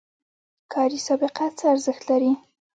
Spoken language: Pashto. کاري سابقه څه ارزښت لري؟